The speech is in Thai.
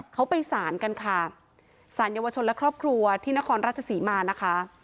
เขาไปสารกันค่ะสารเยาวชนและครอบครัวที่นครราชศรีมานะคะ